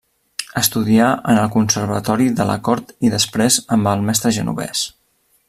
Estudià en el Conservatori de la cort i després amb el mestre Genovés.